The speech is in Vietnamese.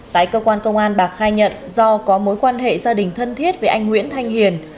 tại cơ quan công an bạc khai nhận do có mối quan hệ gia đình thân thiết với anh nguyễn thanh hiền